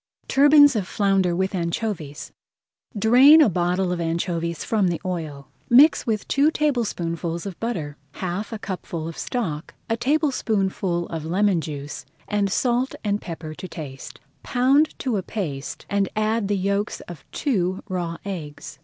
TURBANS OF FLOUNDER WITH ANCHOVIES Drain a bottle of anchovies from the oil. Mix with two tablespoonfuls of butter, half a cupful of stock, a tablespoonful of lemon juice, and salt and pepper to season. Pound to a paste, and add the yolks of two raw eggs.